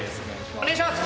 お願いします。